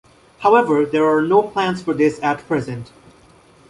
However, there are no plans for this at present.